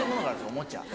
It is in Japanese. おもちゃ。